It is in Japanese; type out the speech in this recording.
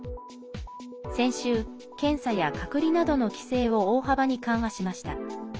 先週、検査や隔離などの規制を大幅に緩和しました。